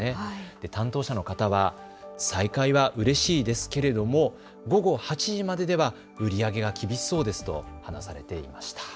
担当者の方は再開はうれしいですけれども午後８時まででは売り上げが厳しそうですと話されていました。